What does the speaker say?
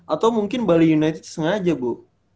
atau mungkin bali united sengaja bu